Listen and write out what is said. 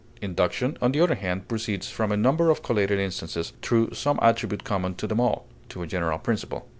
Induction, on the other hand, proceeds from a number of collated instances, through some attribute common to them all, to a general principle.